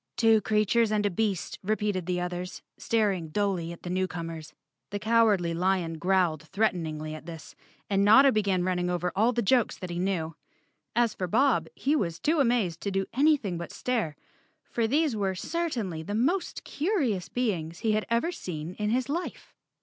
"Two creatures and a beast," repeated the others, staring dully at the newcomers. The Cowardly Lion growled threateningly at this and Notta began running over all the jokes that he knew. As for Bob, he was too amazed to do anything but stare, for these were certainly the most curious beings he had ever seen in his life.